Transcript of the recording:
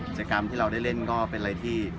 จักรรมที่เราเล่นก็เป็นอะไรที่